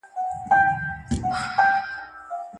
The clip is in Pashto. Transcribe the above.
څېړونکی باید د اثر ډول معلوم کړي.